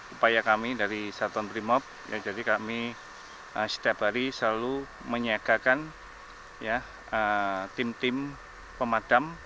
upaya kami dari saton brimob jadi kami setiap hari selalu menyegarkan tim tim pemadam